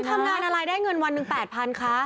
คุณทำงานอะไรได้เงินวันนึง๘๐๐๐บาทคะ